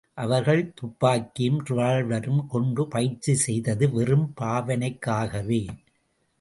அவர்கள் துப்பாக்கியும் ரிவால்வரும் கொண்டு பயிற்சி செய்தது வெறும் பாவனைக்காகவோ?